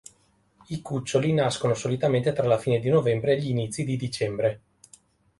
I cuccioli nascono solitamente tra la fine di novembre e gli inizi di dicembre.